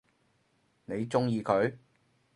你鍾意佢？